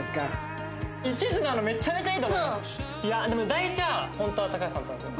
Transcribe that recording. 第一は本当は高橋さんだったんですよ。